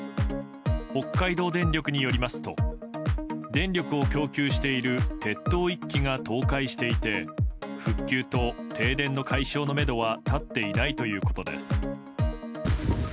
北海道電力によりますと電力を供給している鉄塔１基が倒壊していて復旧と停電の解消のめどは立っていないということです。